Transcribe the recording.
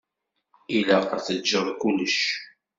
Ilaq ad teǧǧeḍ kullec.